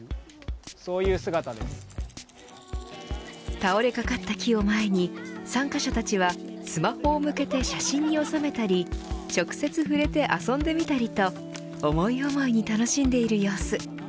倒れかかった木を前に参加者たちはスマホを向けて写真に収めたり直接触れて遊んでみたりと思い思いに楽しんでいる様子。